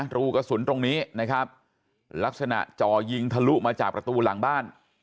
รูกระสุนตรงนี้นะครับลักษณะจ่อยิงทะลุมาจากประตูหลังบ้าน